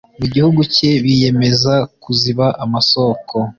mu gihugu cye biyemeza kuziba amasoko